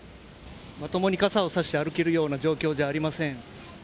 まともに傘をさして歩けるような状況ではありません。